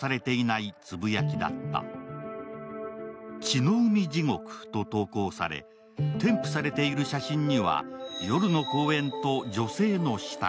「血の海地獄」と投稿され、添付されている写真には夜の公園と女性の死体。